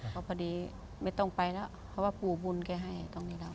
ก็พอดีไม่ต้องไปแล้วเพราะว่าปู่บุญแกให้ตรงนี้แล้ว